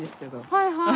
はいはい。